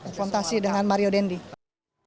konfrontasi dengan mario dandisatrio